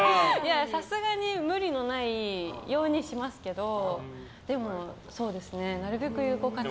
さすがに無理のないようにしますけどでも、そうですね。なるべく有効活用したい。